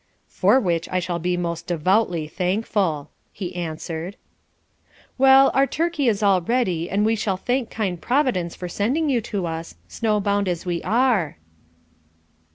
"For which I shall be most devoutly thankful," he answered. "Well, our turkey is all ready, and we shall thank kind Providence for sending you to us, snow bound as we are."